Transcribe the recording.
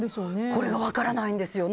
これが分からないんですよ。